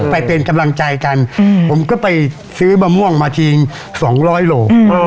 ไปเป็นกำลังใจกันผมก็ไปซื้อมะม่วงมาทีนึง๒๐๐โล